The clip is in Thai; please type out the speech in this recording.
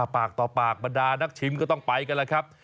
ปากต่อปากบรรดานักชิมก็ต้องไปกันแล้วครับ